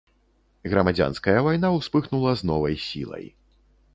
Грамадзянская вайна ўспыхнула з новай сілай.